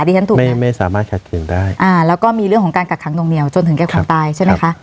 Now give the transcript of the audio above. ใช่ครับไม่สามารถขัดขืนได้แล้วก็มีเรื่องของการกัดขังตรงเหนียวจนถึงเก็บของตายใช่ไหมคะ